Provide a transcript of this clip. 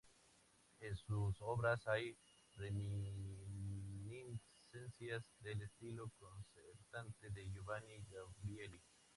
En sus obras hay reminiscencias del estilo concertante de Giovanni Gabrieli.